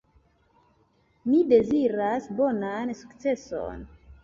Mi deziras bonan sukceson.